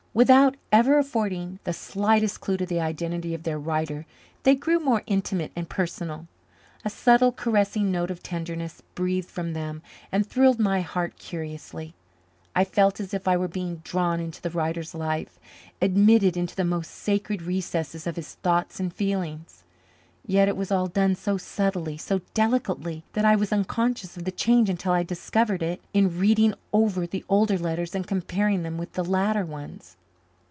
Without ever affording the slightest clue to the identity of their writer they grew more intimate and personal. A subtle, caressing note of tenderness breathed from them and thrilled my heart curiously. I felt as if I were being drawn into the writer's life, admitted into the most sacred recesses of his thoughts and feelings. Yet it was all done so subtly, so delicately, that I was unconscious of the change until I discovered it in reading over the older letters and comparing them with the later ones.